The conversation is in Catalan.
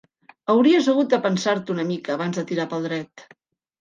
Hauries hagut de pensar-t'ho una mica, abans de tirar pel dret.